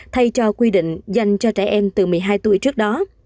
thay cho quy định dành cho trẻ em từ một mươi hai tuổi trước đó